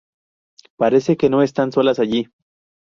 Parece que no están solas allí.